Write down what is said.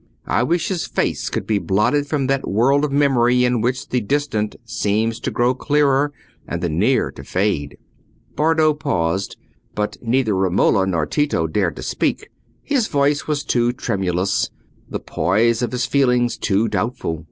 I wish his face could be blotted from that world of memory in which the distant seems to grow clearer and the near to fade." Bardo paused, but neither Romola nor Tito dared to speak—his voice was too tremulous, the poise of his feelings too doubtful.